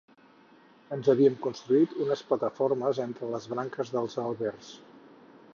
Ens havíem construït unes plataformes entre les branques dels àlbers